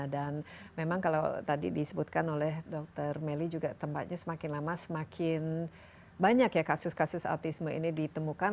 dan memang kalau tadi disebutkan oleh dr melly juga tempatnya semakin lama semakin banyak ya kasus kasus autisme ini ditemukan